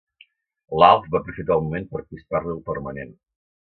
L'Alf va aprofitar el moment per pispar-li el permanent.